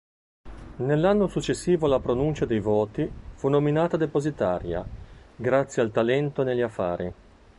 Nell'anno successivo alla pronuncia dei voti fu nominata depositaria, grazie al talento negli affari.